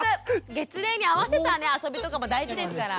月齢に合わせた遊びとかも大事ですから。